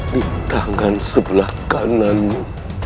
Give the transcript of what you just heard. di tangan sebelah kananmu